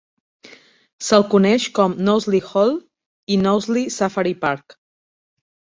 Se'l coneix com Knowsley Hall i Knowsley Safari Park.